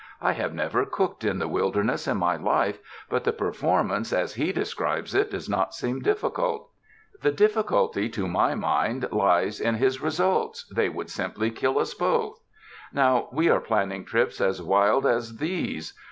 I have never cooked in the wil 280 CAMP COOKERY derness in my life, but the performance as he de scribes it does not seem difficult. The difficulty to my mind lies in his results — they would simply kill us both. Now, we are planning trips as wild as these.